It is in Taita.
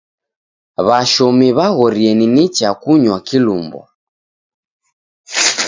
W'ashomi w'aghorie ni nicha kunywa kilumbwa.